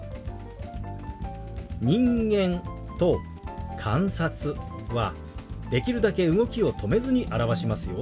「人間」と「観察」はできるだけ動きを止めずに表しますよ。